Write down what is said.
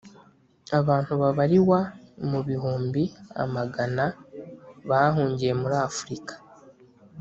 abantu babariwa mu bihumbi amagana bahungiye muri afurika